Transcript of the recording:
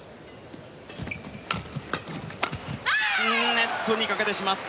ネットにかけてしまった。